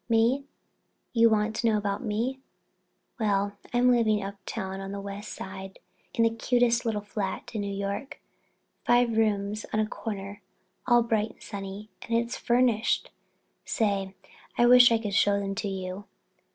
Me?—you want to know about me? Well, I'm living uptown on the West Side in the cutest little flat in New York—five rooms, on a corner, all bright and sunny. And furnished! Say, I wish I could show them to you.